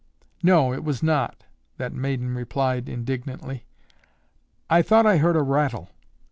"No, it was not," that maiden replied indignantly. "I thought I heard a rattle."